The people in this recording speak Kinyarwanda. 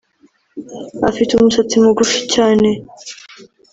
Afite umusatsi mugufi cyane